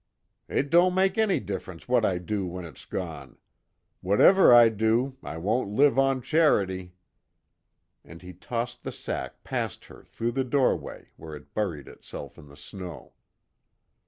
"It don't make any difference what I do when it's gone. Whatever I do, I won't live on charity." And he tossed the sack past her through the doorway where it buried itself in the snow.